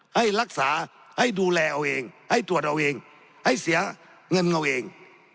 ให้รักษาให้ดูแลเอาเองให้ตรวจเอาเองให้เสียเงินเอาเอง